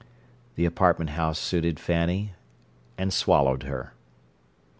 The apartment house suited Fanny and swallowed her.